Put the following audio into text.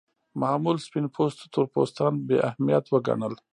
معمول سپین پوستو تور پوستان بې اهمیت وګڼل.